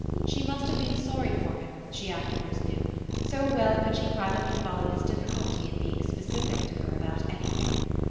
She must have been sorry for him, she afterwards knew, so well could she privately follow his difficulty in being specific to her about anything.